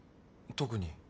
特に。